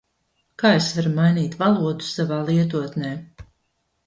Kā es varu mainīt valodu savā lietotnē?